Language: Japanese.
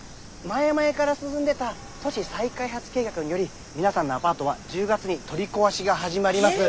前々から進んでた都市再開発計画により皆さんのアパートは１０月に取り壊しが始まります。